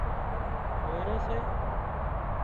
هوئيرو سي